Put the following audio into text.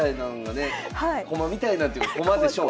駒みたいなというか駒でしょう。